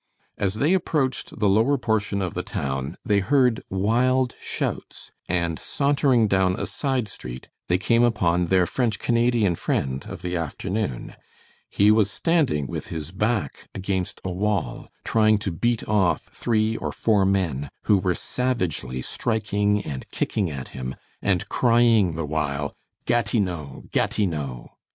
As they approached the lower portion of the town they heard wild shouts, and sauntering down a side street, they came upon their French Canadian friend of the afternoon. He was standing with his back against a wall trying to beat off three or four men, who were savagely striking and kicking at him, and crying the while: "Gatineau! Gatineau!"